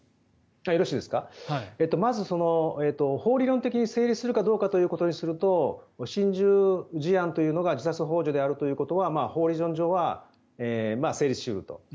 まず法理論的に成立するかどうかということですと心中事案というのが自殺ほう助であるということは法理論上は成立し得ると。